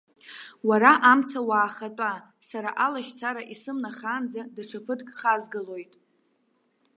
Уара амца уаахатәа, сара алашьцара исымнахаанӡа даҽа ԥыҭк хазгалоит.